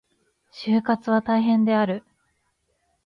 就活は大変である。